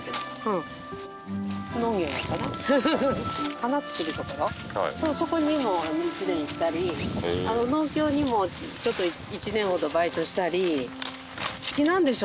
花作るところそこにも１年行ったり農協にもちょっと１年ほどバイトしたり。